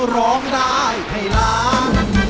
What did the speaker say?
ร้องได้ให้ล้าน